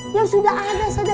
yang sudah ada